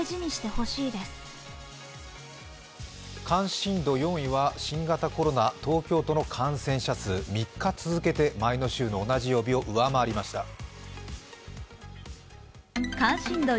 関心度４位は新型コロナ、東京都の感染者数、３日続けて前の週の同じ曜日を上回りました。